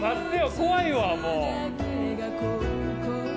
怖いわもう。